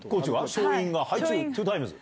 勝因がハイチュウ２タイムズ？